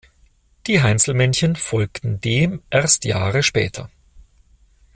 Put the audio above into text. Die Heinzelmännchen folgten dem erst Jahre später.